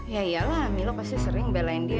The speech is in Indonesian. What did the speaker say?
ya iyalah milo pasti sering belain dia